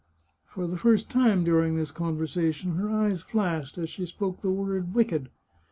For the first time during this conversation, her eyes flashed as she spoke the word wicked.